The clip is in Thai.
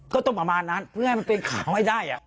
ก็ต้องประมาณนั้นเพื่อให้มันเป็นข่าวให้ได้อ่ะ